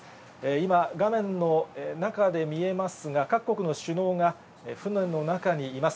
今、画面の中で見えますが、各国の首脳が船の中にいます。